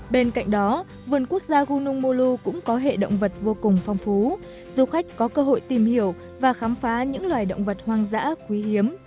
bên cạnh đó vườn quốc gia gun nung mou cũng có hệ động vật vô cùng phong phú du khách có cơ hội tìm hiểu và khám phá những loài động vật hoang dã quý hiếm